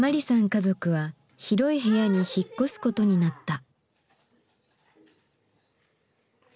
家族は広い部屋に引っ越すことになった。